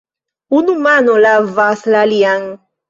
Unu mano lavas la alian.